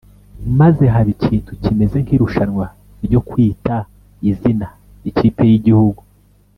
maze haba ikintu kimeze nk’irushanwa ryo kwita izina ikipe y’igihugu